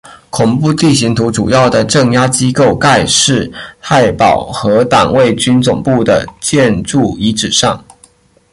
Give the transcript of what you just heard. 恐怖地形图主要的镇压机构盖世太保和党卫军总部的建筑遗址上。